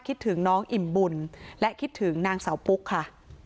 คิดถึงน้องอิ่มบุญและคิดถึงนางสาวปุ๊กค่ะ